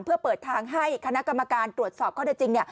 เพื่อเปิดทางให้คณะกรรมการตรวจสอบข้อได้จริง